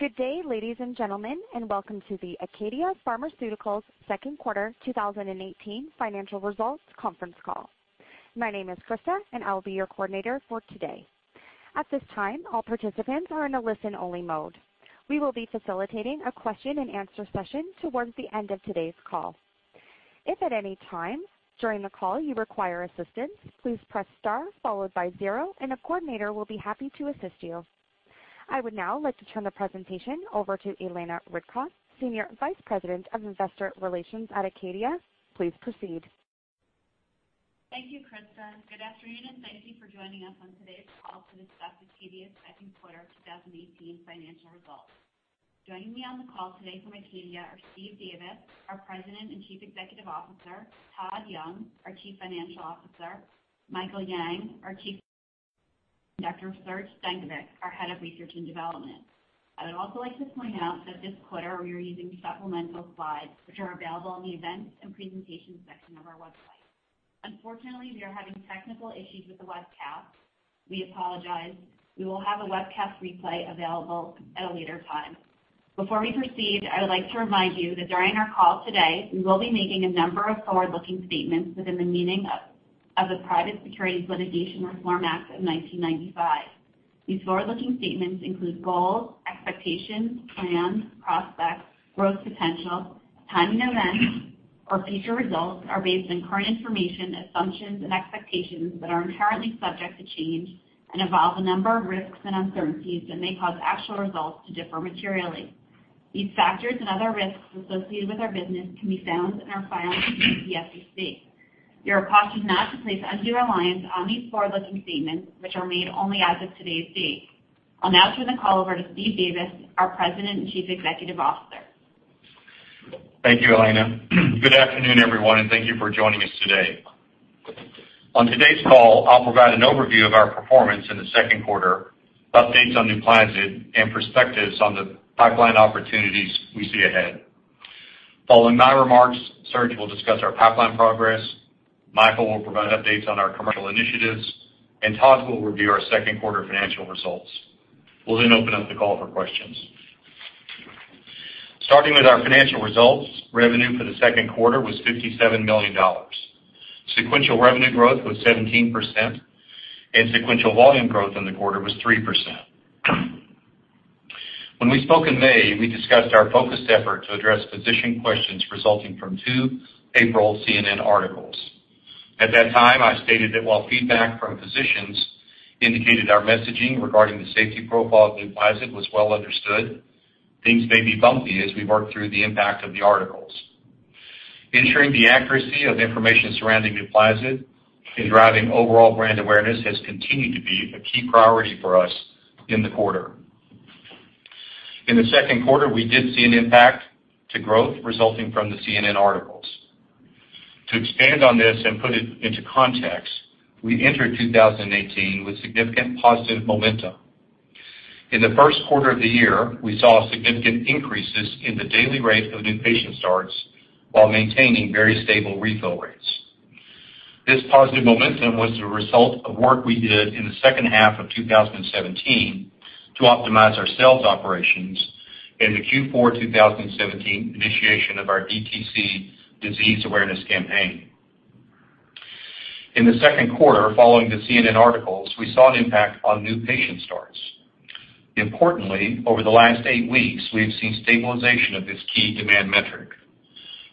Good day, ladies and gentlemen, and welcome to the ACADIA Pharmaceuticals second quarter 2018 financial results conference call. My name is Krista and I will be your coordinator for today. At this time, all participants are in a listen-only mode. We will be facilitating a question and answer session towards the end of today's call. If at any time during the call you require assistance, please press star followed by zero and a coordinator will be happy to assist you. I would now like to turn the presentation over to Elena Ridloff, Senior Vice President of Investor Relations at Acadia. Please proceed. Thank you, Krista. Good afternoon, and thank you for joining us on today's call to discuss Acadia's second quarter 2018 financial results. Joining me on the call today from Acadia are Steve Davis, our President and Chief Executive Officer, Todd Young, our Chief Financial Officer, Michael Yang, our Chief Commercial Officer, and Dr. Serge Stankovic, our Head of Research and Development. I would also like to point out that this quarter we are using supplemental slides which are available in the events and presentations section of our website. Unfortunately, we are having technical issues with the webcast. We apologize. We will have a webcast replay available at a later time. Before we proceed, I would like to remind you that during our call today, we will be making a number of forward-looking statements within the meaning of the Private Securities Litigation Reform Act of 1995. These forward-looking statements include goals, expectations, plans, prospects, growth potential, timing events or future results are based on current information, assumptions and expectations that are inherently subject to change and involve a number of risks and uncertainties and may cause actual results to differ materially. These factors and other risks associated with our business can be found in our filings with the SEC. You are cautioned not to place undue reliance on these forward-looking statements, which are made only as of today's date. I'll now turn the call over to Steve Davis, our President and Chief Executive Officer. Thank you, Elena. Good afternoon, everyone, and thank you for joining us today. On today's call, I'll provide an overview of our performance in the second quarter, updates on NUPLAZID, and perspectives on the pipeline opportunities we see ahead. Following my remarks, Serge will discuss our pipeline progress, Michael will provide updates on our commercial initiatives, and Todd will review our second quarter financial results. We'll then open up the call for questions. Starting with our financial results, revenue for the second quarter was $57 million. Sequential revenue growth was 17%, and sequential volume growth in the quarter was 3%. When we spoke in May, we discussed our focused effort to address physician questions resulting from two April CNN articles. At that time, I stated that while feedback from physicians indicated our messaging regarding the safety profile of NUPLAZID was well understood, things may be bumpy as we work through the impact of the articles. Ensuring the accuracy of information surrounding NUPLAZID and driving overall brand awareness has continued to be a key priority for us in the quarter. In the second quarter, we did see an impact to growth resulting from the CNN articles. To expand on this and put it into context, we entered 2018 with significant positive momentum. In the first quarter of the year, we saw significant increases in the daily rate of new patient starts while maintaining very stable refill rates. This positive momentum was the result of work we did in the second half of 2017 to optimize our sales operations and the Q4 2017 initiation of our DTC disease awareness campaign. In the second quarter, following the CNN articles, we saw an impact on new patient starts. Importantly, over the last eight weeks, we have seen stabilization of this key demand metric.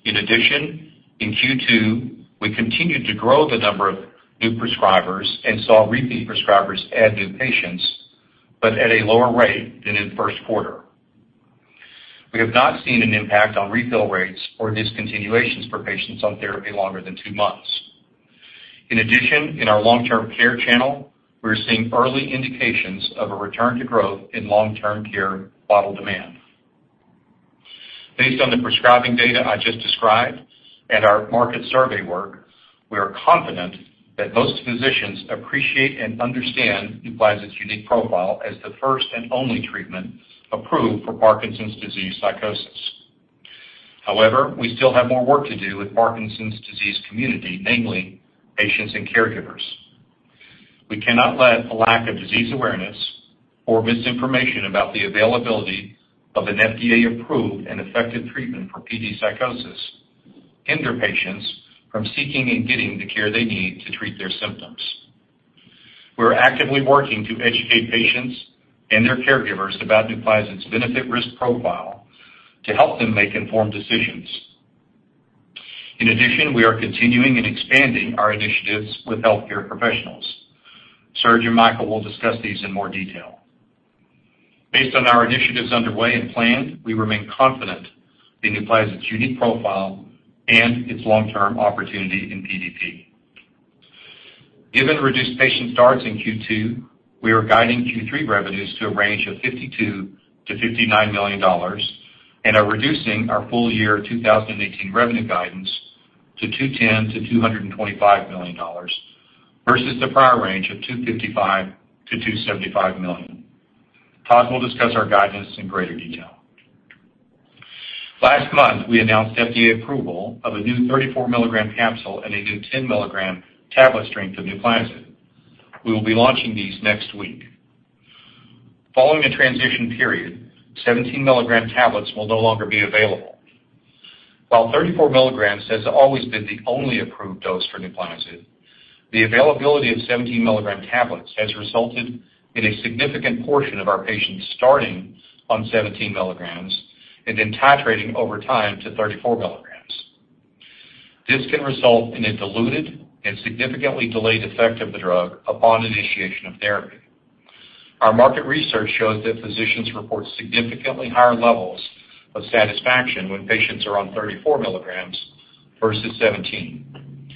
In addition, in Q2, we continued to grow the number of new prescribers and saw repeat prescribers add new patients, but at a lower rate than in the first quarter. We have not seen an impact on refill rates or discontinuations for patients on therapy longer than two months. In addition, in our long-term care channel, we are seeing early indications of a return to growth in long-term care bottle demand. Based on the prescribing data I just described and our market survey work, we are confident that most physicians appreciate and understand NUPLAZID's unique profile as the first and only treatment approved for Parkinson's disease psychosis. We still have more work to do with Parkinson's disease community, namely patients and caregivers. We cannot let a lack of disease awareness or misinformation about the availability of an FDA-approved and effective treatment for PD psychosis hinder patients from seeking and getting the care they need to treat their symptoms. We are actively working to educate patients and their caregivers about NUPLAZID's benefit risk profile to help them make informed decisions. In addition, we are continuing and expanding our initiatives with healthcare professionals. Serge and Michael will discuss these in more detail. Based on our initiatives underway and planned, we remain confident in NUPLAZID's unique profile and its long-term opportunity in PDP. Given reduced patient starts in Q2, we are guiding Q3 revenues to a range of $52 million-$59 million and are reducing our full year 2018 revenue guidance to $210 million-$225 million versus the prior range of $255 million-$270 million. Todd will discuss our guidance in greater detail. Last month, we announced FDA approval of a new 34-milligram capsule and a new 10-milligram tablet strength of NUPLAZID. We will be launching these next week. Following a transition period, 17-milligram tablets will no longer be available. While 34 milligrams has always been the only approved dose for NUPLAZID, the availability of 17-milligram tablets has resulted in a significant portion of our patients starting on 17 milligrams and then titrating over time to 34 milligrams. This can result in a diluted and significantly delayed effect of the drug upon initiation of therapy. Our market research shows that physicians report significantly higher levels of satisfaction when patients are on 34 milligrams versus 17.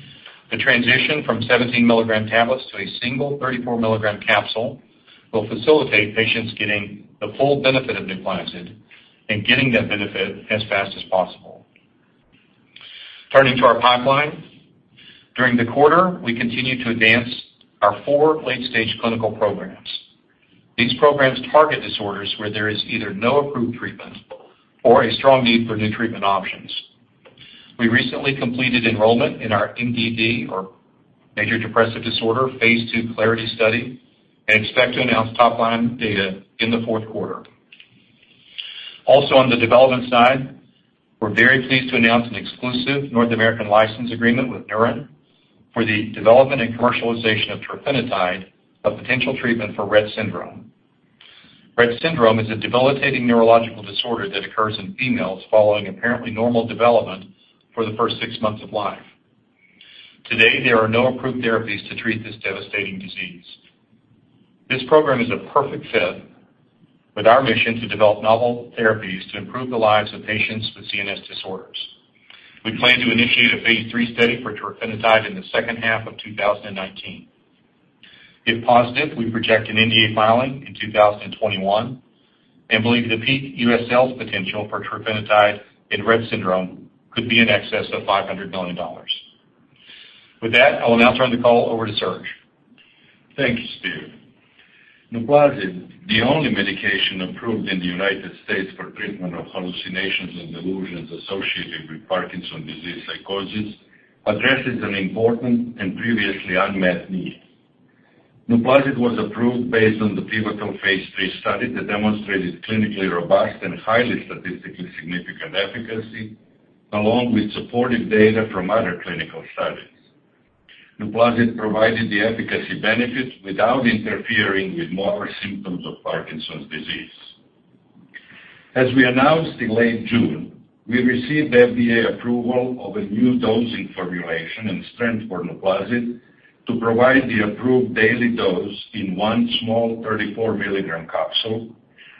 The transition from 17-milligram tablets to a single 34-milligram capsule will facilitate patients getting the full benefit of NUPLAZID and getting that benefit as fast as possible. Turning to our pipeline. During the quarter, we continued to advance our four late-stage clinical programs. These programs target disorders where there is either no approved treatment or a strong need for new treatment options. We recently completed enrollment in our MDD or Major Depressive Disorder phase II CLARITY study and expect to announce top-line data in the fourth quarter. Also, on the development side, we are very pleased to announce an exclusive North American license agreement with Neuren for the development and commercialization of trofinetide, a potential treatment for Rett syndrome. Rett syndrome is a debilitating neurological disorder that occurs in females following apparently normal development for the first six months of life. Today, there are no approved therapies to treat this devastating disease. This program is a perfect fit with our mission to develop novel therapies to improve the lives of patients with CNS disorders. We plan to initiate a phase III study for trofinetide in the second half of 2019. If positive, we project an NDA filing in 2021 and believe the peak U.S. sales potential for trofinetide in Rett syndrome could be in excess of $500 million. With that, I will now turn the call over to Serge. Thank you, Steve. NUPLAZID, the only medication approved in the U.S. for treatment of hallucinations and delusions associated with Parkinson's disease psychosis, addresses an important and previously unmet need. NUPLAZID was approved based on the pivotal phase III study that demonstrated clinically robust and highly statistically significant efficacy, along with supportive data from other clinical studies. NUPLAZID provided the efficacy benefit without interfering with motor symptoms of Parkinson's disease. As we announced in late June, we received FDA approval of a new dosing formulation and strength for NUPLAZID to provide the approved daily dose in one small 34-milligram capsule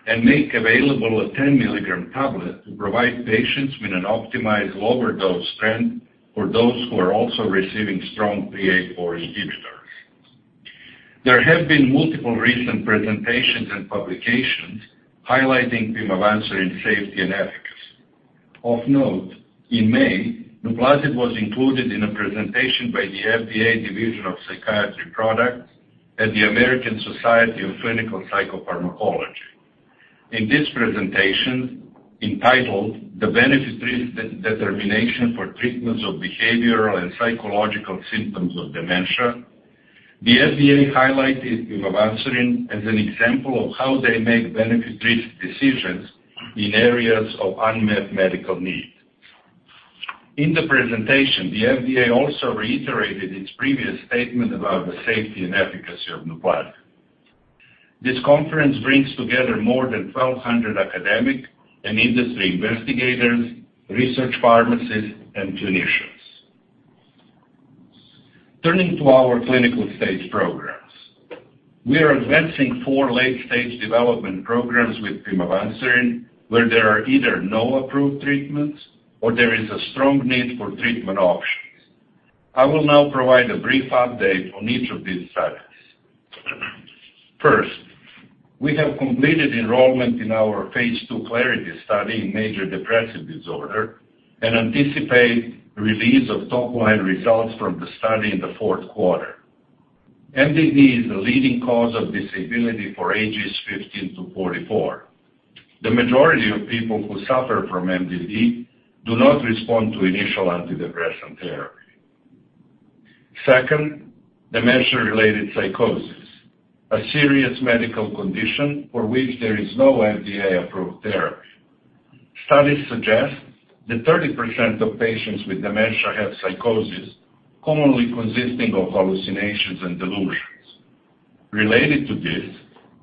and make available a 10-milligram tablet to provide patients with an optimized lower dose strength for those who are also receiving strong CYP3A4 inhibitors. There have been multiple recent presentations and publications highlighting pimavanserin's safety and efficacy. Of note, in May, NUPLAZID was included in a presentation by the FDA Division of Psychiatry at the American Society of Clinical Psychopharmacology. In this presentation, entitled "The Benefit-Risk Determination for Treatments of Behavioral and Psychological Symptoms of Dementia," the FDA highlighted pimavanserin as an example of how they make benefit-risk decisions in areas of unmet medical need. In the presentation, the FDA also reiterated its previous statement about the safety and efficacy of NUPLAZID. This conference brings together more than 1,200 academic and industry investigators, research pharmacists, and clinicians. Turning to our clinical stage programs. We are advancing four late-stage development programs with pimavanserin, where there are either no approved treatments or there is a strong need for treatment options. I will now provide a brief update on each of these studies. First, we have completed enrollment in our phase II CLARITY study in major depressive disorder and anticipate release of top-line results from the study in the fourth quarter. MDD is the leading cause of disability for ages 15 to 44. The majority of people who suffer from MDD do not respond to initial antidepressant therapy. Second, dementia-related psychosis, a serious medical condition for which there is no FDA-approved therapy. Studies suggest that 30% of patients with dementia have psychosis, commonly consisting of hallucinations and delusions. Related to this,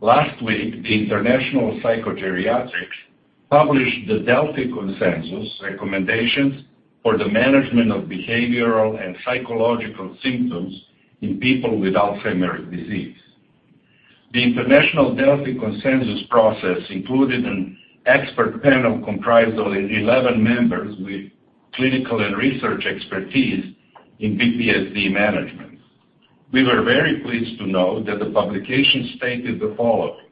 last week, the International Psychogeriatric Association published the Delphi Consensus recommendations for the management of behavioral and psychological symptoms in people with Alzheimer's disease. The International Delphi Consensus process included an expert panel comprised of 11 members with clinical and research expertise in BPSD management. We were very pleased to note that the publication stated the following.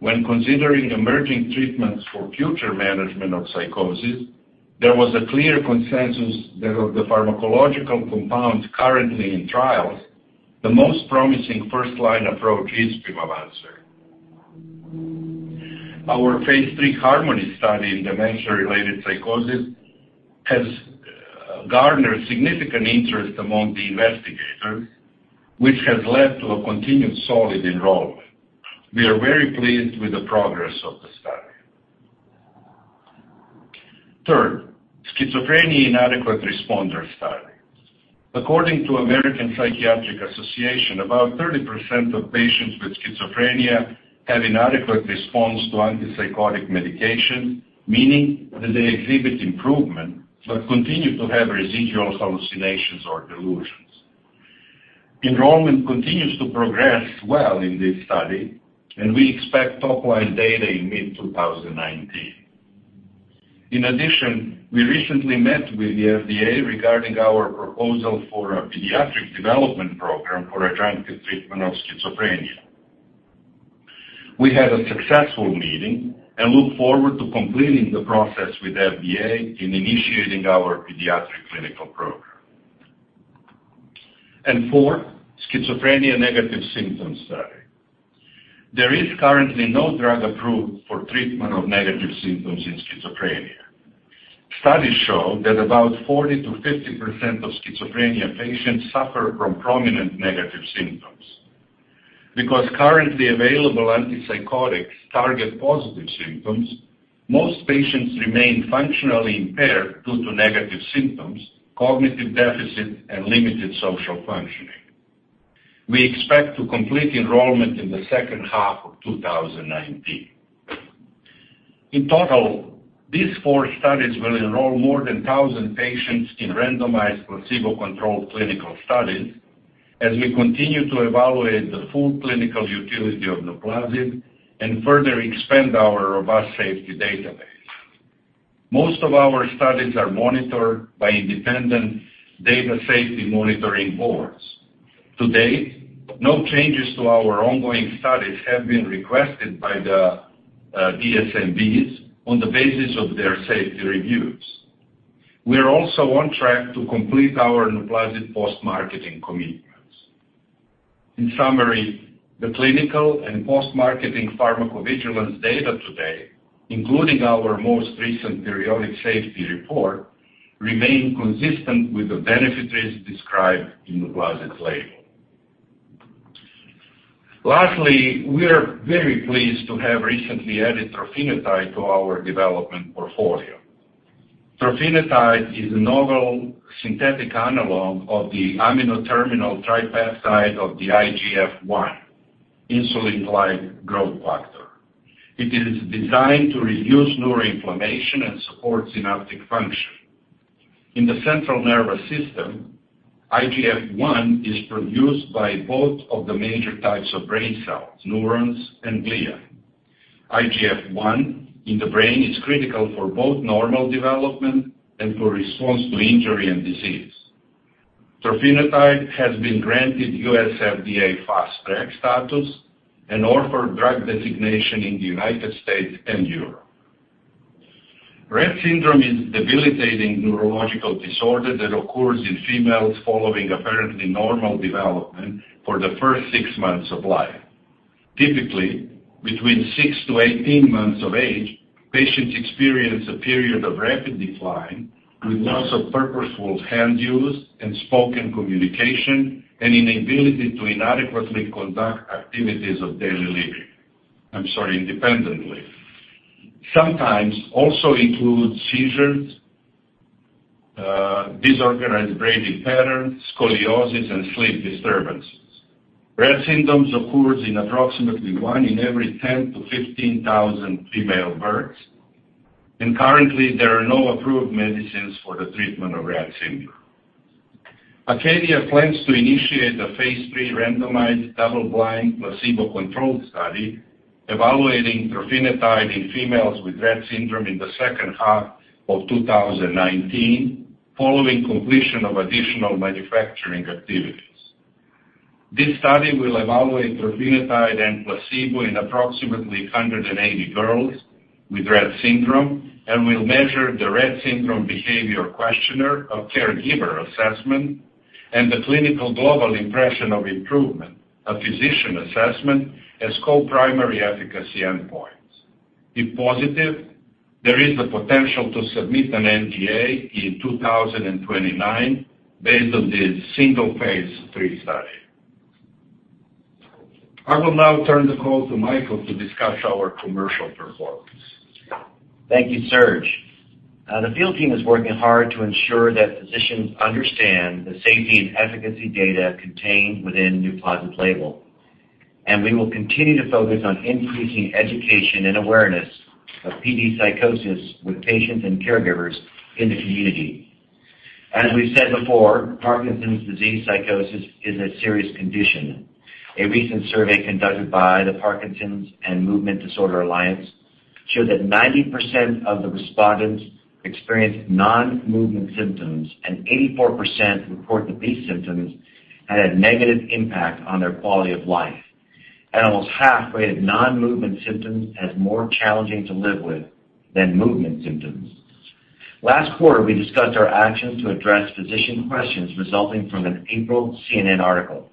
When considering emerging treatments for future management of psychosis, there was a clear consensus that of the pharmacological compounds currently in trials, the most promising first-line approach is pimavanserin." Our phase III HARMONY study in dementia-related psychosis has garnered significant interest among the investigators, which has led to a continued solid enrollment. We are very pleased with the progress of the study. Third, schizophrenia inadequate responder study. According to American Psychiatric Association, about 30% of patients with schizophrenia have inadequate response to antipsychotic medication, meaning that they exhibit improvement but continue to have residual hallucinations or delusions. Enrollment continues to progress well in this study, we expect top-line data in mid-2019. In addition, we recently met with the FDA regarding our proposal for a pediatric development program for adjunctive treatment of schizophrenia. We had a successful meeting and look forward to completing the process with FDA in initiating our pediatric clinical program. Fourth, schizophrenia negative symptoms study. There is currently no drug approved for treatment of negative symptoms in schizophrenia. Studies show that about 40%-50% of schizophrenia patients suffer from prominent negative symptoms. Because currently available antipsychotics target positive symptoms, most patients remain functionally impaired due to negative symptoms, cognitive deficit, and limited social functioning. We expect to complete enrollment in the second half of 2019. In total, these four studies will enroll more than 1,000 patients in randomized, placebo-controlled clinical studies as we continue to evaluate the full clinical utility of NUPLAZID and further expand our robust safety database. Most of our studies are monitored by independent Data and Safety Monitoring Boards. To date, no changes to our ongoing studies have been requested by the DSMBs on the basis of their safety reviews. We are also on track to complete our NUPLAZID post-marketing commitments. In summary, the clinical and post-marketing pharmacovigilance data today, including our most recent periodic safety report, remain consistent with the benefit-risk described in NUPLAZID's label. Lastly, we are very pleased to have recently added trofinetide to our development portfolio. trofinetide is a novel synthetic analog of the amino terminal tripeptide of the IGF-1, insulin-like growth factor. It is designed to reduce neuroinflammation and support synaptic function. In the central nervous system, IGF-1 is produced by both of the major types of brain cells, neurons and glia. IGF-1 in the brain is critical for both normal development and for response to injury and disease. trofinetide has been granted U.S. FDA Fast Track status and Orphan Drug designation in the United States and Europe. Rett syndrome is a debilitating neurological disorder that occurs in females following apparently normal development for the first six months of life. Typically, between six to 18 months of age, patients experience a period of rapid decline with loss of purposeful hand use and spoken communication and inability to inadequately conduct activities of daily living. I'm sorry, independently. Sometimes also includes seizures, disorganized breathing patterns, scoliosis, and sleep disturbances. Rett syndrome occurs in approximately one in every 10,000 to 15,000 female births, and currently there are no approved medicines for the treatment of Rett syndrome. Acadia plans to initiate a phase III randomized, double-blind, placebo-controlled study evaluating trofinetide in females with Rett syndrome in the second half of 2019, following completion of additional manufacturing activities. Thank you, Serge. This study will evaluate trofinetide and placebo in approximately 180 girls with Rett syndrome and will measure the Rett Syndrome Behaviour Questionnaire, a caregiver assessment, and the Clinical Global Impression of Improvement, a physician assessment, as co-primary efficacy endpoints. If positive, there is the potential to submit an NDA in 2021 based on this single phase III study. I will now turn the call to Michael to discuss our commercial performance. Thank you, Serge. The field team is working hard to ensure that physicians understand the safety and efficacy data contained within NUPLAZID's label, and we will continue to focus on increasing education and awareness of PD psychosis with patients and caregivers in the community. As we've said before, Parkinson's disease psychosis is a serious condition. A recent survey conducted by the Parkinson & Movement Disorder Alliance showed that 90% of the respondents experienced non-movement symptoms, and 84% report that these symptoms had a negative impact on their quality of life, and almost half rated non-movement symptoms as more challenging to live with than movement symptoms. Last quarter, we discussed our actions to address physician questions resulting from an April CNN article.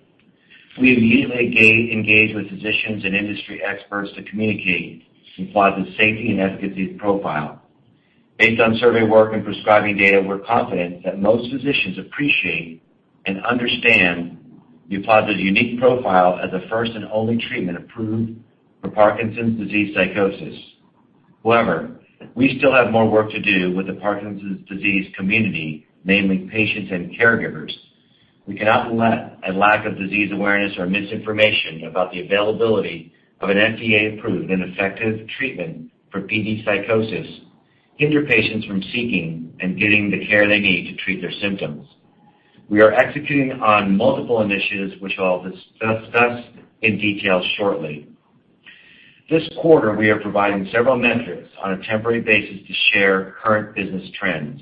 We immediately engaged with physicians and industry experts to communicate NUPLAZID's safety and efficacy profile. Based on survey work and prescribing data, we're confident that most physicians appreciate and understand NUPLAZID's unique profile as the first and only treatment approved for Parkinson's disease psychosis. However, we still have more work to do with the Parkinson's disease community, namely patients and caregivers. We cannot let a lack of disease awareness or misinformation about the availability of an FDA-approved and effective treatment for PD psychosis hinder patients from seeking and getting the care they need to treat their symptoms. We are executing on multiple initiatives, which I'll discuss in detail shortly. This quarter, we are providing several metrics on a temporary basis to share current business trends.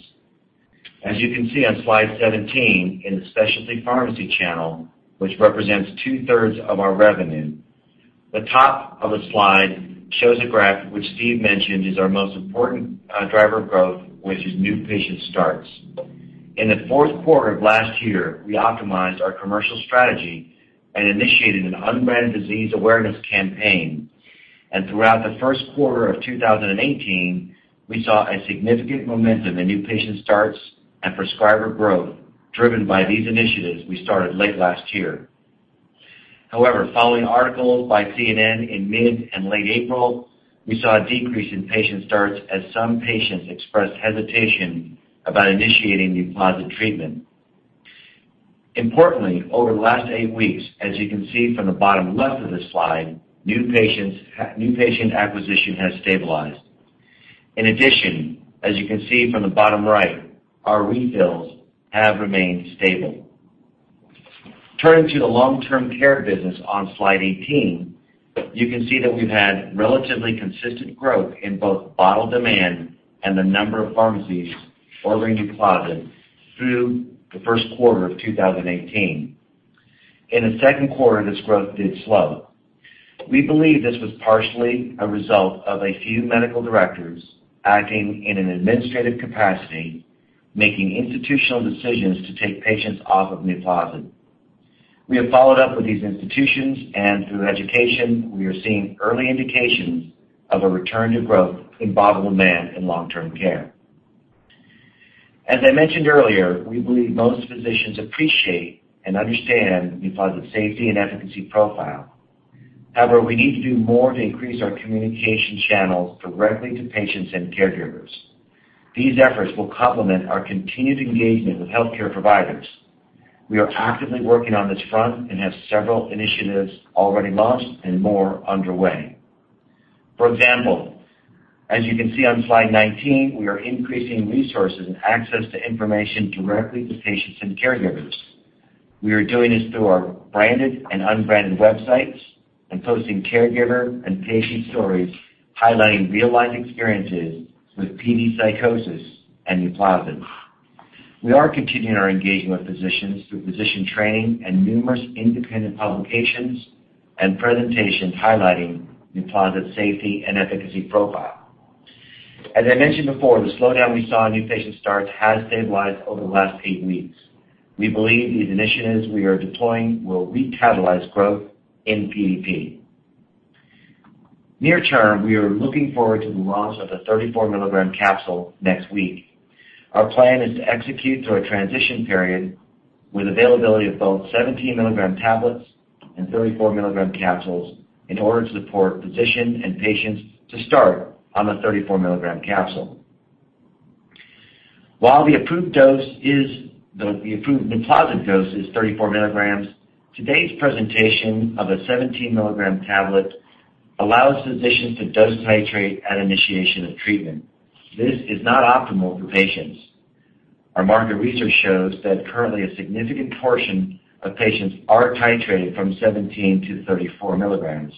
As you can see on slide 17, in the specialty pharmacy channel, which represents two-thirds of our revenue, the top of the slide shows a graph which Steve mentioned is our most important driver of growth, which is new patient starts. In the fourth quarter of last year, we optimized our commercial strategy and initiated an unbranded disease awareness campaign, and throughout the first quarter of 2018, we saw a significant momentum in new patient starts and prescriber growth driven by these initiatives we started late last year. However, following articles by CNN in mid and late April, we saw a decrease in patient starts as some patients expressed hesitation about initiating NUPLAZID treatment. Importantly, over the last eight weeks, as you can see from the bottom left of the slide, new patient acquisition has stabilized. In addition, as you can see from the bottom right, our refills have remained stable. Turning to the long-term care business on slide 18, you can see that we've had relatively consistent growth in both bottle demand and the number of pharmacies ordering NUPLAZID through the first quarter of 2018. In the second quarter, this growth did slow. We believe this was partially a result of a few medical directors acting in an administrative capacity, making institutional decisions to take patients off of NUPLAZID. We have followed up with these institutions, and through education, we are seeing early indications of a return to growth in bottle demand and long-term care. As I mentioned earlier, we believe most physicians appreciate and understand NUPLAZID's safety and efficacy profile. However, we need to do more to increase our communication channels directly to patients and caregivers. These efforts will complement our continued engagement with healthcare providers. We are actively working on this front and have several initiatives already launched and more underway. For example, as you can see on slide 19, we are increasing resources and access to information directly to patients and caregivers. We are doing this through our branded and unbranded websites and posting caregiver and patient stories highlighting real-life experiences with PD psychosis and NUPLAZID. We are continuing our engagement with physicians through physician training and numerous independent publications and presentations highlighting NUPLAZID's safety and efficacy profile. As I mentioned before, the slowdown we saw in new patient starts has stabilized over the last eight weeks. We believe these initiatives we are deploying will recatalyze growth in PDP. Near term, we are looking forward to the launch of the 34 milligram capsule next week. Our plan is to execute through a transition period with availability of both 17 milligram tablets and 34 milligram capsules in order to support physicians and patients to start on the 34 milligram capsule. While the approved NUPLAZID dose is 34 milligrams, today's presentation of a 17 milligram tablet allows physicians to dose titrate at initiation of treatment. This is not optimal for patients. Our market research shows that currently a significant portion of patients are titrated from 17 to 34 milligrams.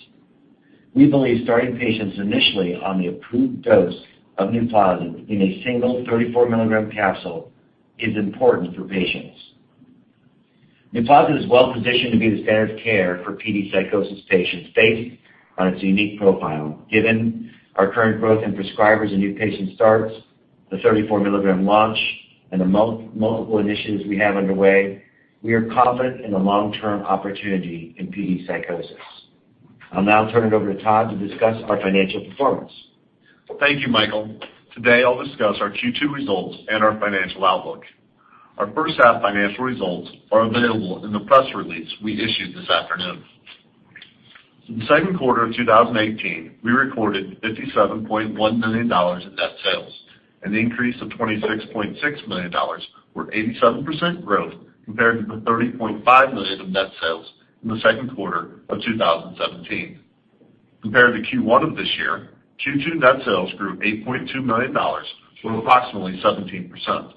We believe starting patients initially on the approved dose of NUPLAZID in a single 34 milligram capsule is important for patients. NUPLAZID is well-positioned to be the standard of care for PD psychosis patients based on its unique profile. Given our current growth in prescribers and new patient starts, the 34-milligram launch, and the multiple initiatives we have underway, we are confident in the long-term opportunity in PD psychosis. I will now turn it over to Todd to discuss our financial performance. Thank you, Michael. Today, I will discuss our Q2 results and our financial outlook. Our first half financial results are available in the press release we issued this afternoon. In the second quarter of 2018, we recorded $57.1 million in net sales, an increase of $26.6 million, or 87% growth compared to the $30.5 million of net sales in the second quarter of 2017. Compared to Q1 of this year, Q2 net sales grew $8.2 million or approximately 17%.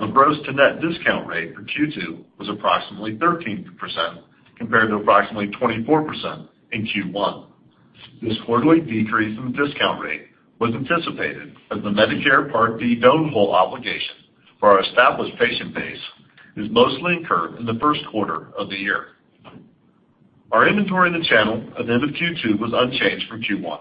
Our gross-to-net discount rate for Q2 was approximately 13% compared to approximately 24% in Q1. This quarterly decrease in the discount rate was anticipated as the Medicare Part D donut hole obligation for our established patient base is mostly incurred in the first quarter of the year. Our inventory in the channel at the end of Q2 was unchanged from Q1.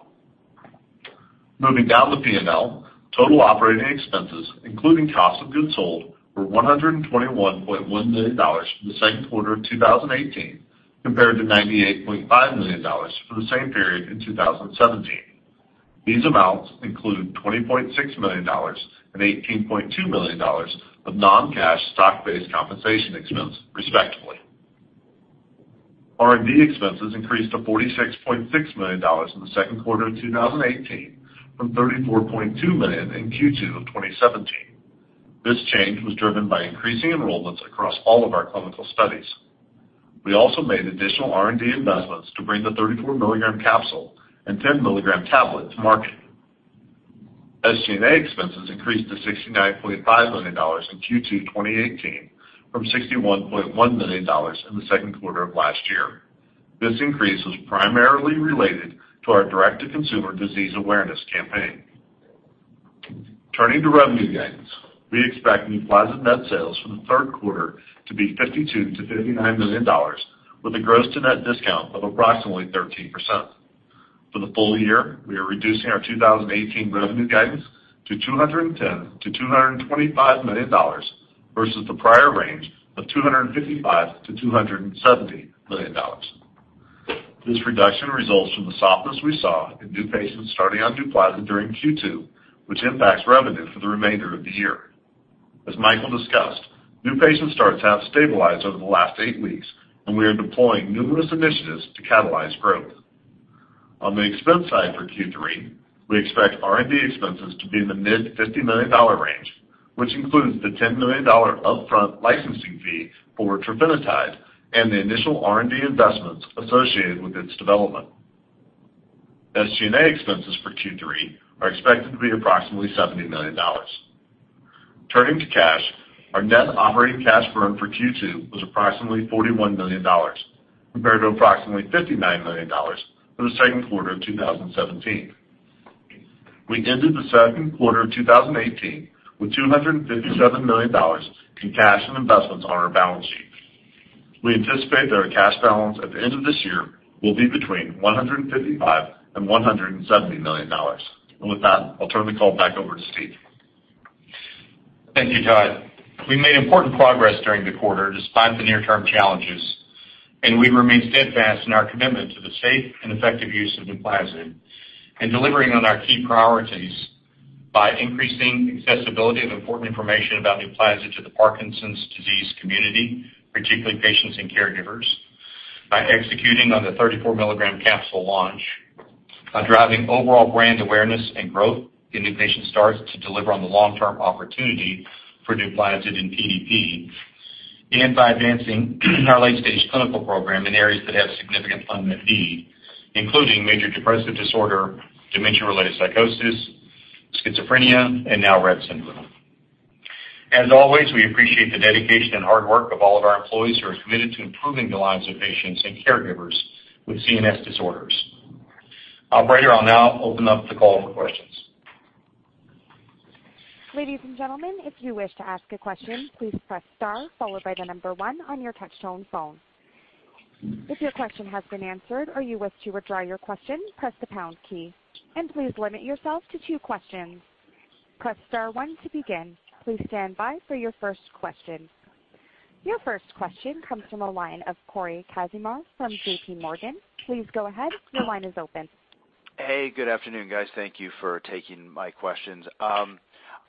Moving down the P&L, total operating expenses, including cost of goods sold, were $121.1 million for the second quarter of 2018 compared to $98.5 million for the same period in 2017. These amounts include $20.6 million and $18.2 million of non-cash stock-based compensation expense, respectively. R&D expenses increased to $46.6 million in the second quarter of 2018 from $34.2 million in Q2 of 2017. This change was driven by increasing enrollments across all of our clinical studies. We also made additional R&D investments to bring the 34-milligram capsule and 10-milligram tablet to market. SG&A expenses increased to $69.5 million in Q2 2018 from $61.1 million in the second quarter of last year. This increase was primarily related to our direct-to-consumer disease awareness campaign. Turning to revenue guidance, we expect NUPLAZID net sales for the third quarter to be $52 million-$59 million, with a gross-to-net discount of approximately 13%. For the full year, we are reducing our 2018 revenue guidance to $210 million-$225 million versus the prior range of $255 million-$270 million. This reduction results from the softness we saw in new patients starting on NUPLAZID during Q2, which impacts revenue for the remainder of the year. As Michael discussed, new patient starts have stabilized over the last eight weeks, and we are deploying numerous initiatives to catalyze growth. On the expense side for Q3, we expect R&D expenses to be in the mid-$50 million range, which includes the $10 million upfront licensing fee for trofinetide and the initial R&D investments associated with its development. SG&A expenses for Q3 are expected to be approximately $70 million. Turning to cash, our net operating cash burn for Q2 was approximately $41 million compared to approximately $59 million for the second quarter of 2017. We ended the second quarter of 2018 with $257 million in cash and investments on our balance sheet. We anticipate that our cash balance at the end of this year will be between $155 million and $170 million. With that, I'll turn the call back over to Steve. Thank you, Todd. We made important progress during the quarter despite the near-term challenges. We remain steadfast in our commitment to the safe and effective use of NUPLAZID and delivering on our key priorities by increasing accessibility of important information about NUPLAZID to the Parkinson's disease community, particularly patients and caregivers, by executing on the 34-milligram capsule launch, by driving overall brand awareness and growth in new patient starts to deliver on the long-term opportunity for NUPLAZID in PDP, by advancing our late-stage clinical program in areas that have significant unmet need, including major depressive disorder, dementia-related psychosis, schizophrenia, and now Rett syndrome. As always, we appreciate the dedication and hard work of all of our employees who are committed to improving the lives of patients and caregivers with CNS disorders. Operator, I'll now open up the call for questions. Ladies and gentlemen, if you wish to ask a question, please press star followed by the number 1 on your touch-tone phone. If your question has been answered or you wish to withdraw your question, press the pound key. Please limit yourself to two questions. Press star 1 to begin. Please stand by for your first question. Your first question comes from the line of Cory Kasimov from J.P. Morgan. Please go ahead. Your line is open. Hey, good afternoon, guys. Thank you for taking my questions. I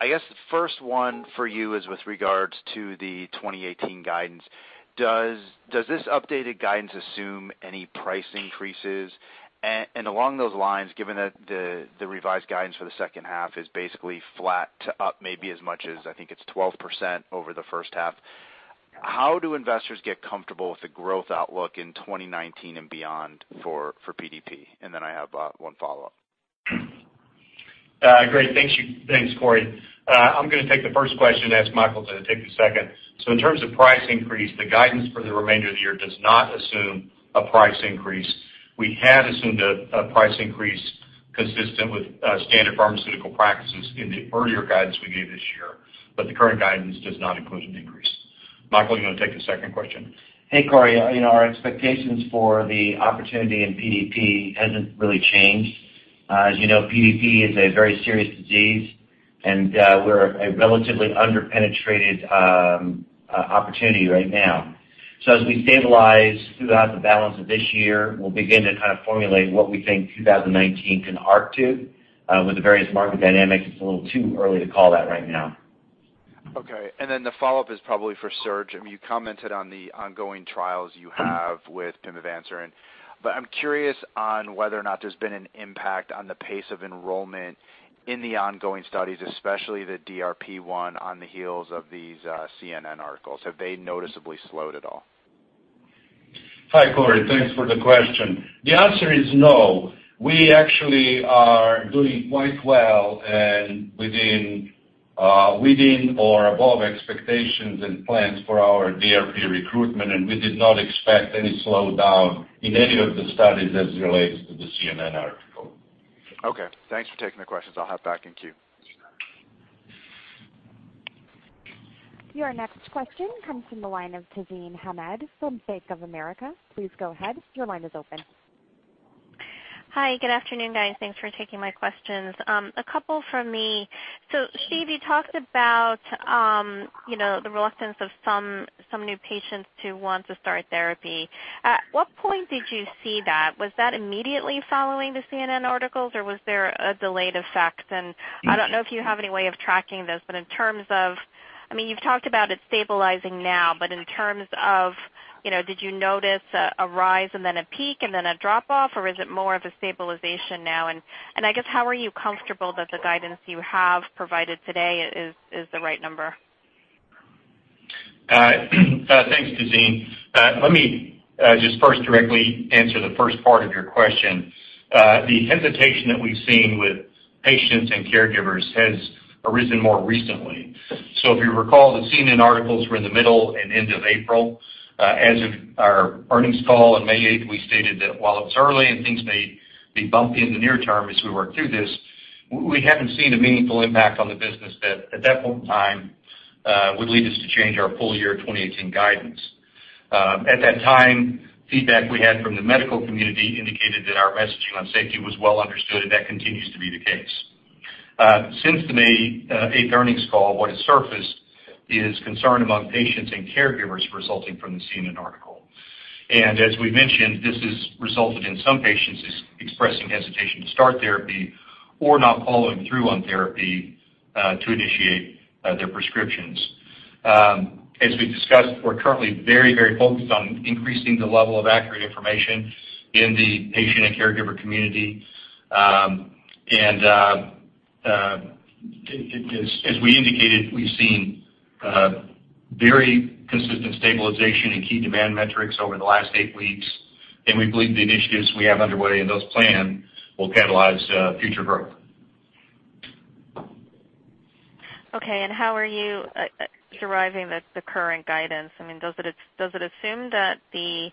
guess the first one for you is with regards to the 2018 guidance. Does this updated guidance assume any price increases? Along those lines, given that the revised guidance for the second half is basically flat to up maybe as much as, I think it's 12% over the first half, how do investors get comfortable with the growth outlook in 2019 and beyond for PDP? Then I have one follow-up. Great. Thanks, Cory. I'm going to take the first question and ask Michael to take the second. In terms of price increase, the guidance for the remainder of the year does not assume a price increase. We had assumed a price increase consistent with standard pharmaceutical practices in the earlier guidance we gave this year, but the current guidance does not include an increase. Michael, you want to take the second question? Hey, Cory. Our expectations for the opportunity in PDP hasn't really changed. As you know, PDP is a very serious disease, and we're a relatively under-penetrated opportunity right now. As we stabilize throughout the balance of this year, we'll begin to kind of formulate what we think 2019 can arc to. With the various market dynamics, it's a little too early to call that right now. Okay. The follow-up is probably for Serge. You commented on the ongoing trials you have with pimavanserin, but I'm curious on whether or not there's been an impact on the pace of enrollment in the ongoing studies, especially the DRP on the heels of these CNN articles. Have they noticeably slowed at all? Hi, Cory. Thanks for the question. The answer is no. We actually are doing quite well and within or above expectations and plans for our DRP recruitment, and we did not expect any slowdown in any of the studies as it relates to the CNN article. Okay. Thanks for taking the questions. I'll hop back in queue. Your next question comes from the line of Tazeen Ahmad from Bank of America. Please go ahead. Your line is open. Hi. Good afternoon, guys. Thanks for taking my questions. A couple from me. Steve, you talked about the reluctance of some new patients to want to start therapy. At what point did you see that? Was that immediately following the CNN articles, or was there a delayed effect? I don't know if you have any way of tracking this, but you've talked about it stabilizing now, but in terms of did you notice a rise and then a peak and then a drop off, or is it more of a stabilization now? I guess, how are you comfortable that the guidance you have provided today is the right number? Thanks, Tazeen. Let me just first directly answer the first part of your question. The hesitation that we've seen with patients and caregivers has arisen more recently. If you recall, the CNN articles were in the middle and end of April. As of our earnings call on May 8th, we stated that while it's early and things may be bumpy in the near term as we work through this, we haven't seen a meaningful impact on the business that at that point in time would lead us to change our full year 2018 guidance. At that time, feedback we had from the medical community indicated that our messaging on safety was well understood, and that continues to be the case. Since the May 8th earnings call, what has surfaced is concern among patients and caregivers resulting from the CNN article. As we mentioned, this has resulted in some patients expressing hesitation to start therapy or not following through on therapy to initiate their prescriptions. As we discussed, we're currently very focused on increasing the level of accurate information in the patient and caregiver community. As we indicated, we've seen very consistent stabilization in key demand metrics over the last eight weeks, and we believe the initiatives we have underway and those planned will catalyze future growth. Okay, how are you deriving the current guidance? Does it assume that the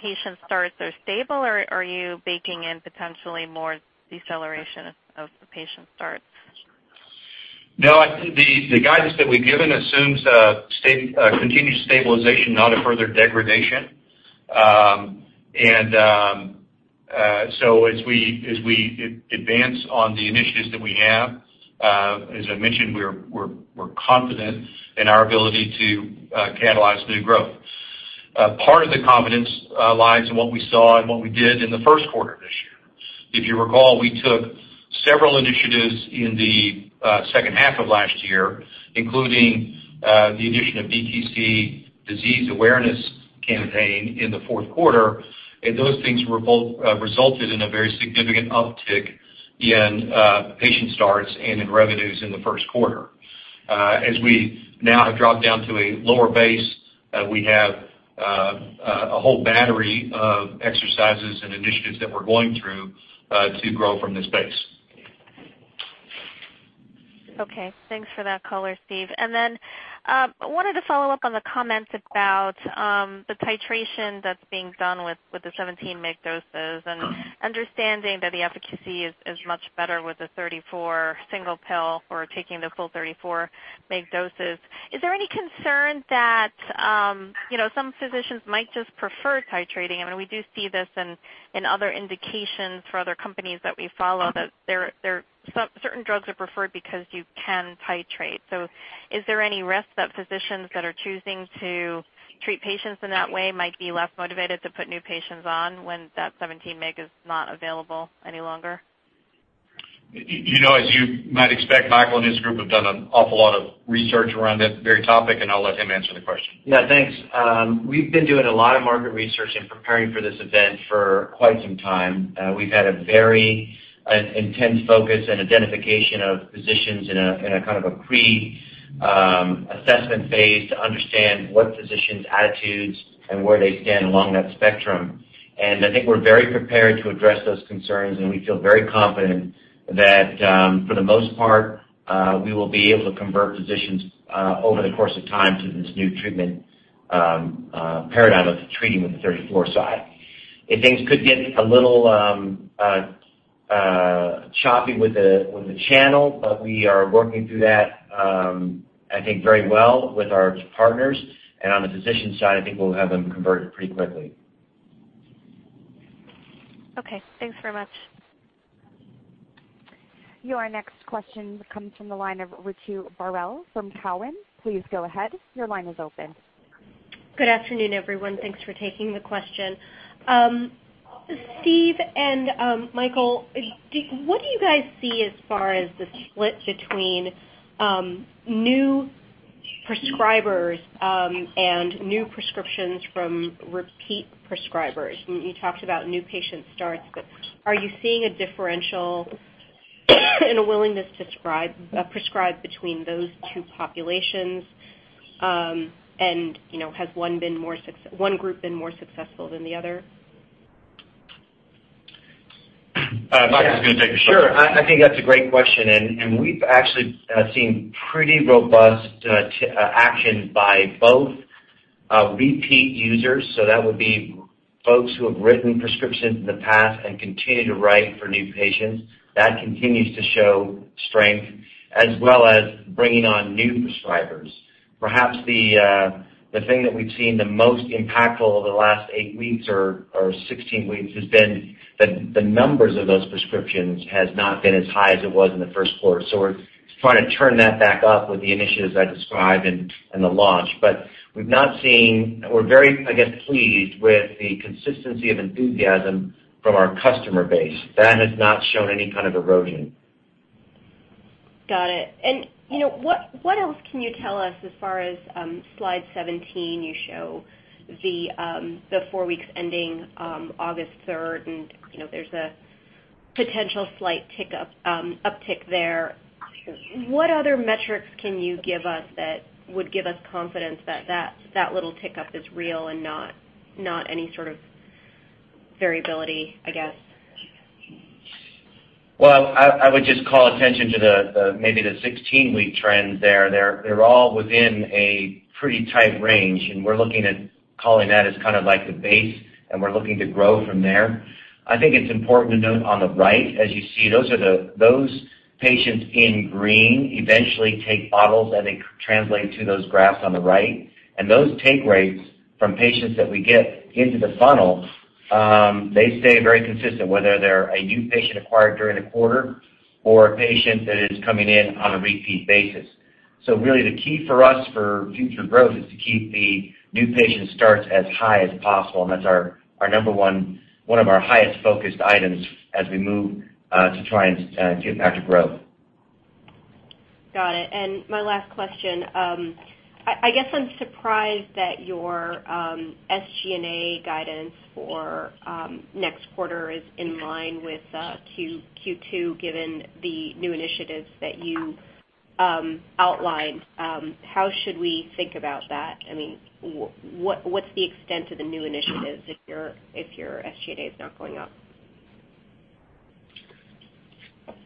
patient starts are stable, or are you baking in potentially more deceleration of the patient starts? No, I think the guidance that we've given assumes a continued stabilization, not a further degradation. As we advance on the initiatives that we have, as I mentioned, we're confident in our ability to catalyze new growth. Part of the confidence lies in what we saw and what we did in the first quarter of this year. If you recall, we took several initiatives in the second half of last year, including the addition of DTC disease awareness campaign in the fourth quarter, and those things resulted in a very significant uptick in patient starts and in revenues in the first quarter. As we now have dropped down to a lower base, we have a whole battery of exercises and initiatives that we're going through to grow from this base. Okay. Thanks for that color, Steve. I wanted to follow up on the comments about the titration that's being done with the 17 mg doses and understanding that the efficacy is much better with the 34 single pill or taking the full 34 mg doses. Is there any concern that some physicians might just prefer titrating? We do see this in other indications for other companies that we follow, that certain drugs are preferred because you can titrate. Is there any risk that physicians that are choosing to treat patients in that way might be less motivated to put new patients on when that 17 mg is not available any longer? As you might expect, Michael and his group have done an awful lot of research around that very topic. I'll let him answer the question. Yeah, thanks. We've been doing a lot of market research and preparing for this event for quite some time. We've had a very intense focus and identification of physicians in a kind of a pre-assessment phase to understand what physicians' attitudes are and where they stand along that spectrum. I think we're very prepared to address those concerns, and we feel very confident that for the most part, we will be able to convert physicians over the course of time to this new treatment paradigm of treating with the 5-HT2A. Things could get a little choppy with the channel, but we are working through that, I think very well with our partners. On the physician side, I think we'll have them converted pretty quickly. Okay. Thanks very much. Your next question comes from the line of Ritu Baral from Cowen. Please go ahead. Your line is open. Good afternoon, everyone. Thanks for taking the question. Steve and Michael, what do you guys see as far as the split between new prescribers and new prescriptions from repeat prescribers? You talked about new patient starts, but are you seeing a differential in a willingness to prescribe between those two populations? Has one group been more successful than the other? Michael's going to take a shot. Sure. I think that's a great question, and we've actually seen pretty robust action by both Repeat users, so that would be folks who have written prescriptions in the past and continue to write for new patients. That continues to show strength, as well as bringing on new prescribers. Perhaps the thing that we've seen the most impactful over the last eight weeks or 16 weeks has been the numbers of those prescriptions has not been as high as it was in the first quarter. We're trying to turn that back up with the initiatives I described and the launch. We're very pleased with the consistency of enthusiasm from our customer base. That has not shown any kind of erosion. Got it. What else can you tell us as far as slide 17, you show the four weeks ending August 3rd, and there's a potential slight uptick there. What other metrics can you give us that would give us confidence that that little tick-up is real and not any sort of variability, I guess? Well, I would just call attention to maybe the 16-week trends there. They're all within a pretty tight range, we're looking at calling that as kind of like the base, and we're looking to grow from there. I think it's important to note on the right, as you see, those patients in green eventually take bottles, and they translate to those graphs on the right. Those take rates from patients that we get into the funnel, they stay very consistent, whether they're a new patient acquired during the quarter or a patient that is coming in on a repeat basis. Really the key for us for future growth is to keep the new patient starts as high as possible, and that's our number one of our highest focused items as we move to try and to impact our growth. Got it. My last question. I guess I'm surprised that your SG&A guidance for next quarter is in line with Q2, given the new initiatives that you outlined. How should we think about that? I mean, what's the extent of the new initiatives if your SG&A is not going up?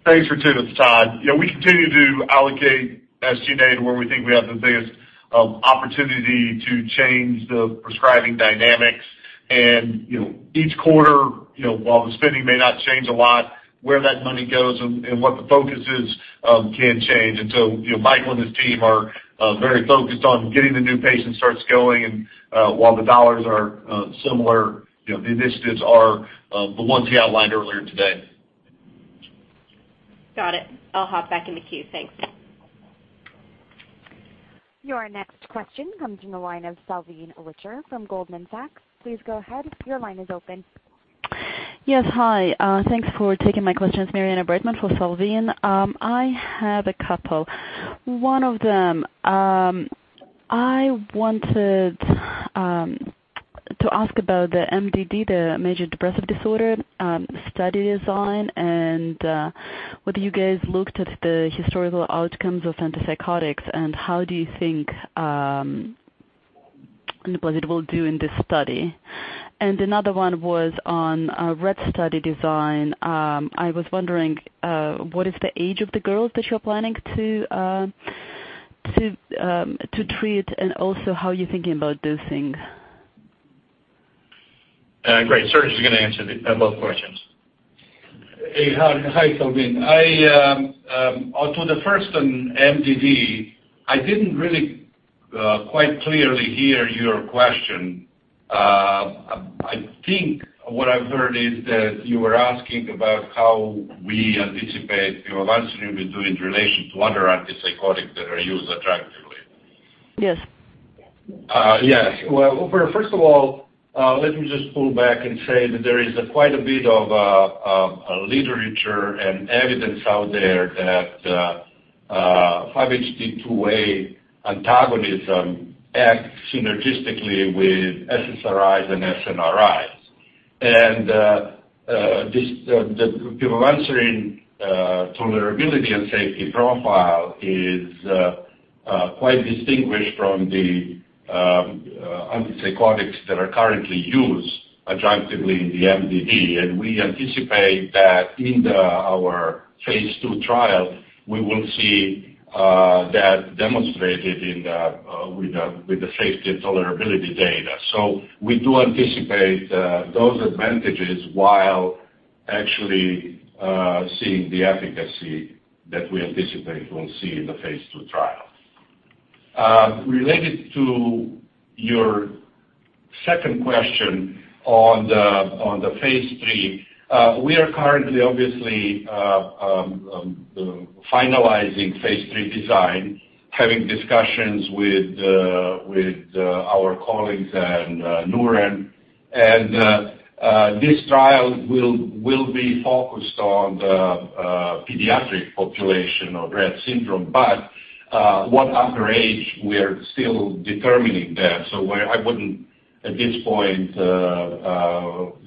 Thanks Ritu. It's Todd. Yeah, we continue to allocate SG&A to where we think we have the biggest opportunity to change the prescribing dynamics. Each quarter, while the spending may not change a lot, where that money goes and what the focus is can change. Michael and his team are very focused on getting the new patient starts going. While the dollars are similar, the initiatives are the ones he outlined earlier today. Got it. I'll hop back in the queue. Thanks. Your next question comes from the line of Salveen Richter from Goldman Sachs. Please go ahead. Your line is open. Yes, hi. Thanks for taking my questions. Marianna Bertman for Salveen. I have a couple. One of them, I wanted to ask about the MDD, the major depressive disorder study design and whether you guys looked at the historical outcomes of antipsychotics and how do you think and what it will do in this study. Another one was on Rett study design. I was wondering what is the age of the girls that you're planning to treat, and also how you're thinking about dosing. Great. Serge is going to answer both questions. Hey. Hi, Salveen. To the first on MDD, I didn't really quite clearly hear your question. I think what I've heard is that you were asking about how we anticipate pimavanserin will do in relation to other antipsychotics that are used adjunctively. Yes. Yeah. Well, first of all, let me just pull back and say that there is quite a bit of literature and evidence out there that 5-HT2A antagonism acts synergistically with SSRIs and SNRIs. The pimavanserin tolerability and safety profile is quite distinguished from the antipsychotics that are currently used adjunctively in the MDD. We anticipate that in our phase II trial, we will see that demonstrated with the safety and tolerability data. We do anticipate those advantages while actually seeing the efficacy that we anticipate we'll see in the phase II trial. Related to your second question on the phase III, we are currently obviously finalizing phase III design, having discussions with our colleagues and Neuren. This trial will be focused on the pediatric population of Rett syndrome. What other age, we are still determining that. I wouldn't, at this point,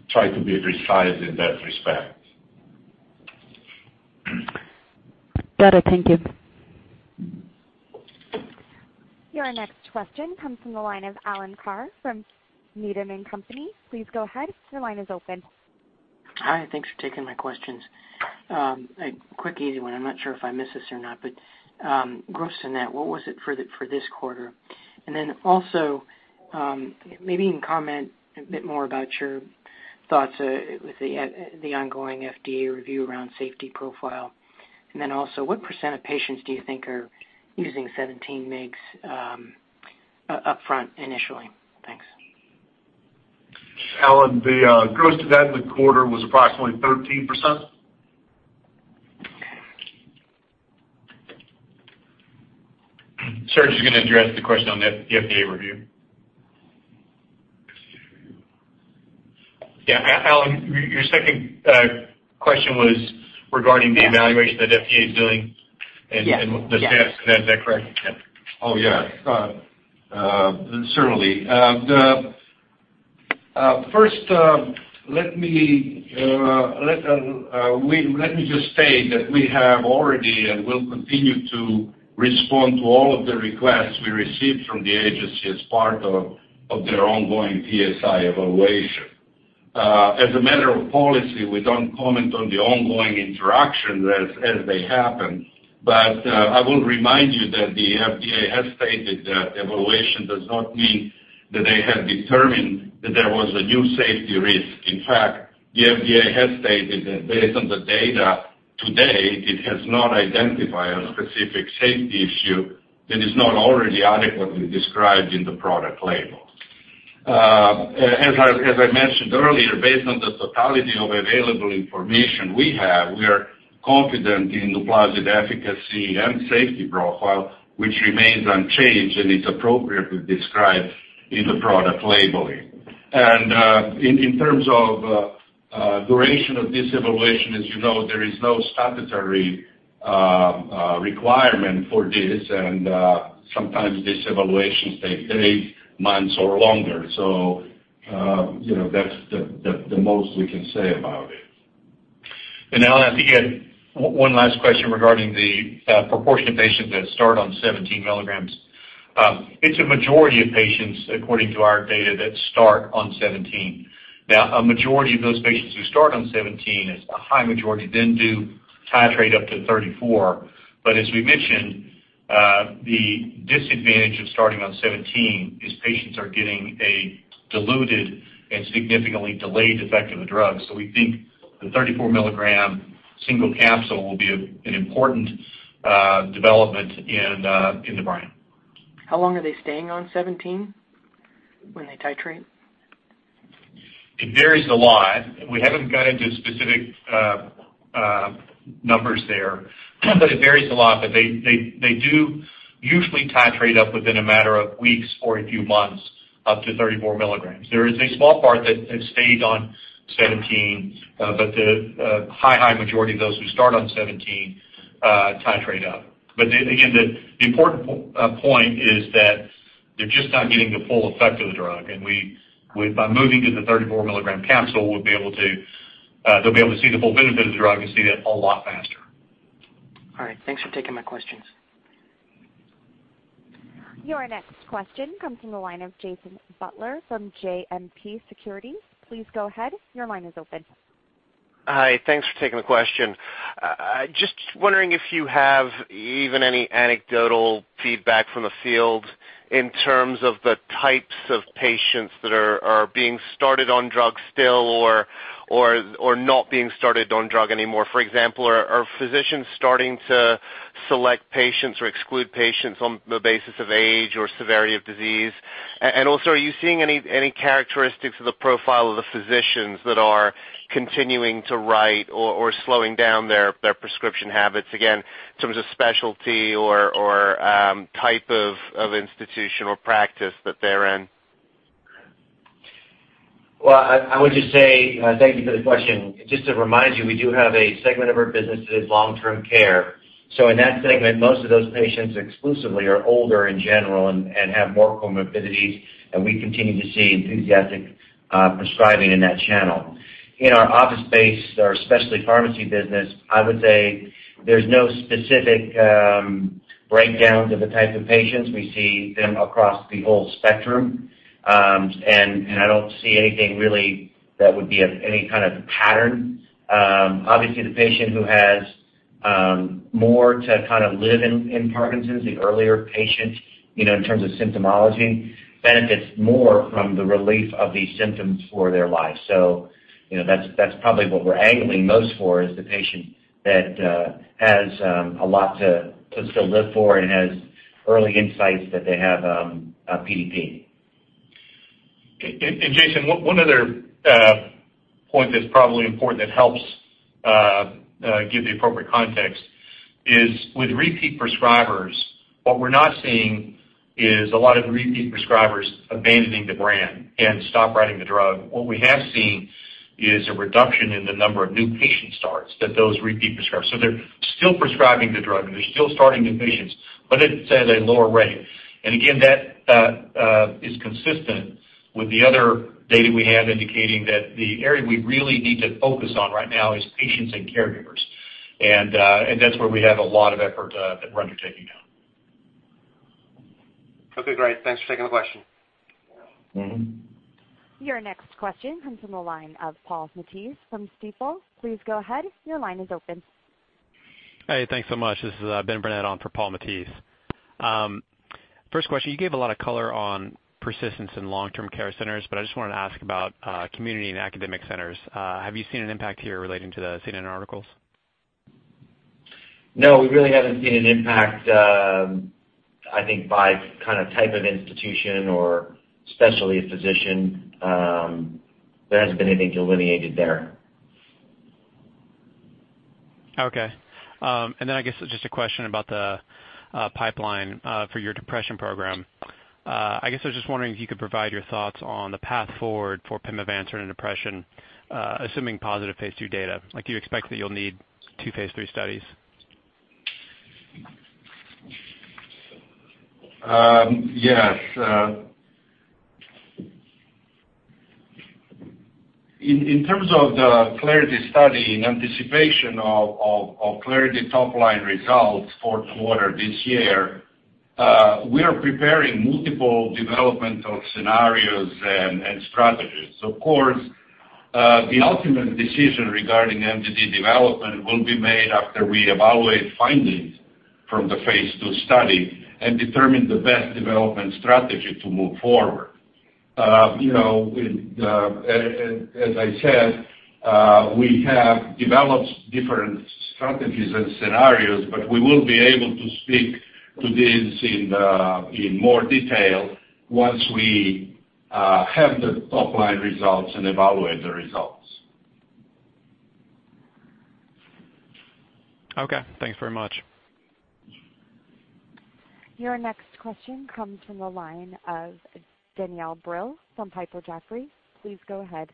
try to be precise in that respect. Got it. Thank you. Your next question comes from the line of Alan Carr from Needham & Company. Please go ahead. Your line is open. Hi, thanks for taking my questions. A quick easy one. I am not sure if I missed this or not, but gross-to-net, what was it for this quarter? Also, maybe you can comment a bit more about your thoughts with the ongoing FDA review around safety profile. Also, what % of patients do you think are using 17 mgs upfront initially? Thanks. Alan, the gross-to-net the quarter was approximately 13%. Serge is going to address the question on the FDA review. Yeah. Alan, your second question was regarding the evaluation that FDA is doing. Yes. Is that correct? Yeah. Oh, yeah. Certainly. First, let me just say that we have already and will continue to respond to all of the requests we received from the agency as part of their ongoing PSI evaluation. As a matter of policy, we don't comment on the ongoing interaction as they happen. I will remind you that the FDA has stated that evaluation does not mean that they have determined that there was a new safety risk. In fact, the FDA has stated that based on the data to date, it has not identified a specific safety issue that is not already adequately described in the product label. As I mentioned earlier, based on the totality of available information we have, we are confident in NUPLAZID efficacy and safety profile, which remains unchanged and is appropriately described in the product labeling. In terms of duration of this evaluation, as you know, there is no statutory requirement for this, and sometimes these evaluations take eight months or longer. That's the most we can say about it. Alan, I think you had one last question regarding the proportion of patients that start on 17 milligrams. It's a majority of patients, according to our data, that start on 17. Now, a majority of those patients who start on 17, it's a high majority, do titrate up to 34. As we mentioned, the disadvantage of starting on 17 is patients are getting a diluted and significantly delayed effect of the drug. We think the 34 milligram single capsule will be an important development in the brand. How long are they staying on 17 when they titrate? It varies a lot. We haven't got into specific numbers there, but it varies a lot. They do usually titrate up within a matter of weeks or a few months up to 34 milligrams. There is a small part that has stayed on 17. The high majority of those who start on 17 titrate up. Again, the important point is that they're just not getting the full effect of the drug, and by moving to the 34 milligram capsule, they'll be able to see the full benefit of the drug and see that a lot faster. All right. Thanks for taking my questions. Your next question comes from the line of Jason Butler from JMP Securities. Please go ahead. Your line is open. Hi. Thanks for taking the question. Just wondering if you have even any anecdotal feedback from the field in terms of the types of patients that are being started on drug still or not being started on drug anymore. For example, are physicians starting to select patients or exclude patients on the basis of age or severity of disease? Also, are you seeing any characteristics of the profile of the physicians that are continuing to write or slowing down their prescription habits, again, in terms of specialty or type of institutional practice that they're in? Well, I would just say thank you for the question. Just to remind you, we do have a segment of our business that is long-term care. In that segment, most of those patients exclusively are older in general and have more comorbidities, and we continue to see enthusiastic prescribing in that channel. In our office space, our specialty pharmacy business, I would say there's no specific breakdowns of the type of patients. We see them across the whole spectrum. I don't see anything really that would be of any kind of pattern. Obviously, the patient who has more to kind of live in Parkinson's, the earlier patient in terms of symptomology, benefits more from the relief of these symptoms for their life. That's probably what we're angling most for is the patient that has a lot to still live for and has early insights that they have PDP. Jason, one other point that's probably important that helps give the appropriate context is with repeat prescribers, what we're not seeing is a lot of repeat prescribers abandoning the brand and stop writing the drug. What we have seen is a reduction in the number of new patient starts that those repeat prescribers. They're still prescribing the drug, and they're still starting new patients, but it's at a lower rate. Again, that is consistent with the other data we have indicating that the area we really need to focus on right now is patients and caregivers. That's where we have a lot of effort that we're undertaking now. Okay, great. Thanks for taking the question. Your next question comes from the line of Paul Matteis from Stifel. Please go ahead. Your line is open. Hey, thanks so much. This is Benjamin Burnett on for Paul Matteis. First question, you gave a lot of color on persistence in long-term care centers. I just wanted to ask about community and academic centers. Have you seen an impact here relating to the CNN articles? We really haven't seen an impact, I think, by type of institution or specialty of physician. There hasn't been anything delineated there. I guess just a question about the pipeline for your depression program. I guess I was just wondering if you could provide your thoughts on the path forward for pimavanserin in depression, assuming positive Phase II data. Do you expect that you'll need two Phase III studies? Yes. In terms of the CLARITY study, in anticipation of CLARITY top-line results fourth quarter this year, we are preparing multiple developmental scenarios and strategies. Of course, the ultimate decision regarding MDD development will be made after we evaluate findings from the phase II study and determine the best development strategy to move forward. As I said, we have developed different strategies and scenarios, but we will be able to speak to these in more detail once we have the top-line results and evaluate the results. Okay, thanks very much. Your next question comes from the line of Danielle Brill from Piper Jaffray. Please go ahead.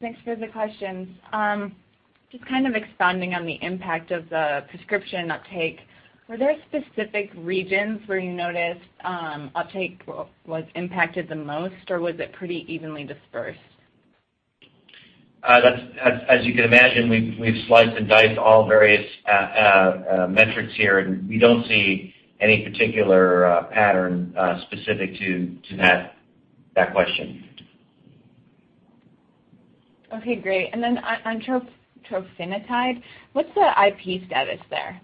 Thanks for the questions. Just expanding on the impact of the prescription uptake. Were there specific regions where you noticed uptake was impacted the most, or was it pretty evenly dispersed? As you can imagine, we've sliced and diced all various metrics here. We don't see any particular pattern specific to that question. Okay, great. On trofinetide, what's the IP status there?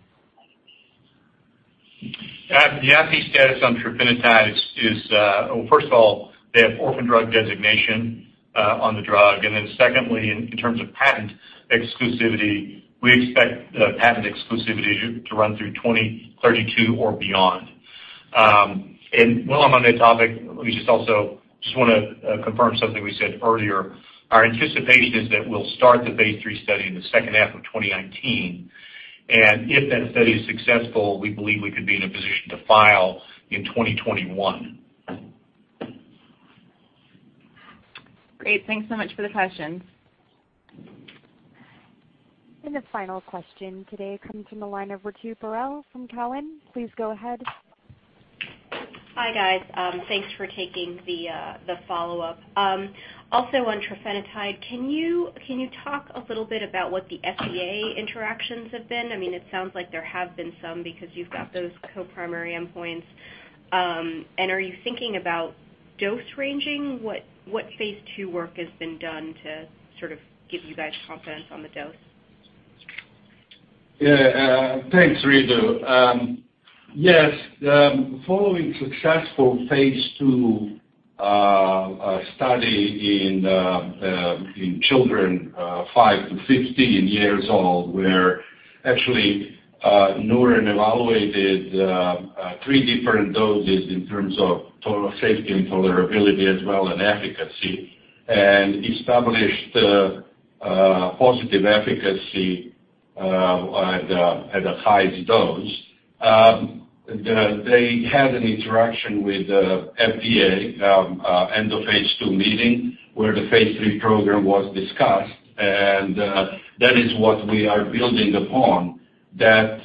The IP status on trofinetide is, first of all, they have Orphan Drug designation on the drug. Secondly, in terms of patent exclusivity, we expect the patent exclusivity to run through 2032 or beyond. While I'm on that topic, let me just also confirm something we said earlier. Our anticipation is that we'll start the phase III study in the second half of 2019. If that study is successful, we believe we could be in a position to file in 2021. Great. Thanks so much for the question. The final question today comes from the line of Ritu Baral from Cowen. Please go ahead. Hi, guys. Thanks for taking the follow-up. Also on trofinetide, can you talk a little bit about what the FDA interactions have been? It sounds like there have been some because you've got those co-primary endpoints. Are you thinking about dose ranging? What phase II work has been done to give you guys confidence on the dose? Yeah. Thanks, Ritu. Yes. Following successful phase II study in children five to 15 years old, where actually, Neuren evaluated three different doses in terms of total safety and tolerability as well as efficacy, and established a positive efficacy at a high dose. They had an interaction with FDA end of phase II meeting where the phase III program was discussed, and that is what we are building upon, that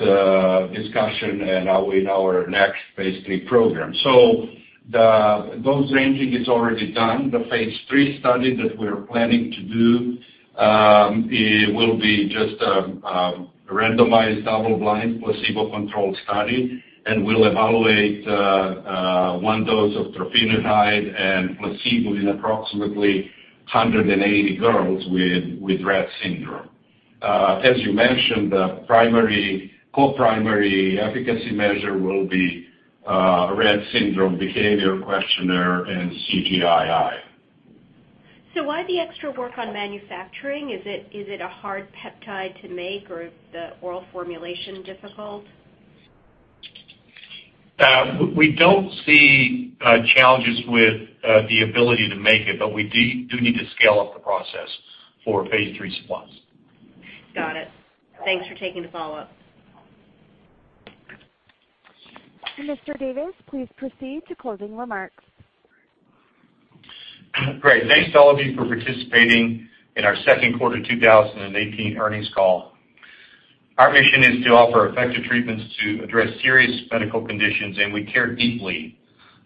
discussion and in our next phase III program. The dose ranging is already done. The phase III study that we're planning to do will be just a randomized, double-blind, placebo-controlled study and will evaluate one dose of trofinetide and placebo in approximately 180 girls with Rett syndrome. As you mentioned, the co-primary efficacy measure will be a Rett Syndrome Behaviour Questionnaire and CGI-I. Why the extra work on manufacturing? Is it a hard peptide to make, or is the oral formulation difficult? We don't see challenges with the ability to make it, we do need to scale up the process for phase III supplies. Got it. Thanks for taking the follow-up. Mr. Davis, please proceed to closing remarks. Great. Thanks to all of you for participating in our second quarter 2018 earnings call. Our mission is to offer effective treatments to address serious medical conditions. We care deeply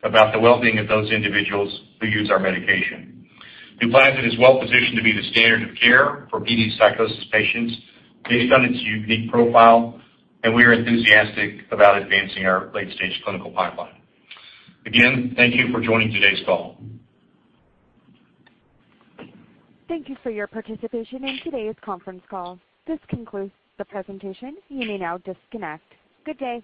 about the well-being of those individuals who use our medication. NUPLAZID is well-positioned to be the standard of care for PD psychosis patients based on its unique profile. We are enthusiastic about advancing our late-stage clinical pipeline. Again, thank you for joining today's call. Thank you for your participation in today's conference call. This concludes the presentation. You may now disconnect. Good day.